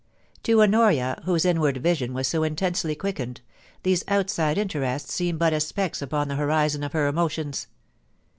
To Honoria, whose inward vision was so intensely quick ened, these outside interests seemed but as specks upon the horizon of her emotions.